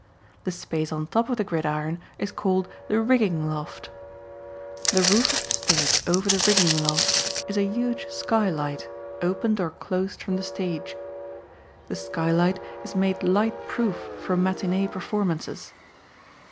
The space on top of the gridiron is called the rigging loft. The roof of the stage over the rigging loft is a huge skylight, opened or closed from the stage. The skylight is made light proof for matinee performances.